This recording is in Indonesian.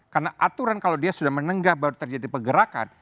karena aturan kalau dia sudah menenggah baru terjadi pergerakan